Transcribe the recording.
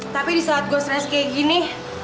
tapi disaat gue stres kayak gini